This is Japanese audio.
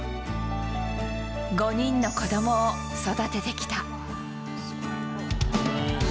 ５人の子どもを育ててきた。